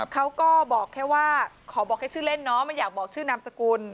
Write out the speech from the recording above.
เขาก็บอกแค่ว่าขอบอกแค่ชื่อเล่นเนาะไม่อยากบอกชื่อนามสกุล